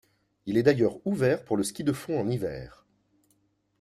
Il est d'ailleurs ouvert pour le ski de fond en hiver.